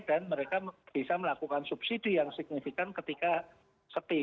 dan mereka bisa melakukan subsidi yang signifikan ketika sepi